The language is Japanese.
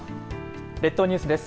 列島ニュースです。